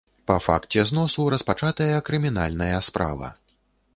Па факце зносу распачатая крымінальная справа.